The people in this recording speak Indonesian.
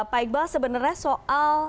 pak iqbal sebenarnya soal